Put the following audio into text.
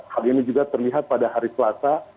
hal ini juga terlihat pada hari selasa